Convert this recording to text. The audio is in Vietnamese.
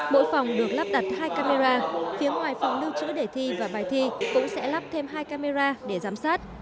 mỗi phòng được lắp đặt hai camera phía ngoài phòng lưu trữ để thi và bài thi cũng sẽ lắp thêm hai camera để giám sát